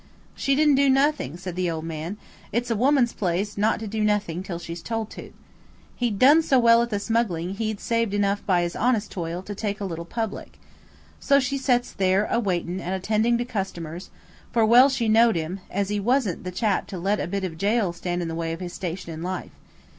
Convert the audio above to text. "She didn't do nothing," said the old man. "It's a woman's place not to do nothing till she's told to. He'd done so well at the smuggling, he'd saved enough by his honest toil to take a little public. So she sets there awaitin' and attendin' to customers–for well she knowed him, as he wasn't the chap to let a bit of a jail stand in the way of his station in life.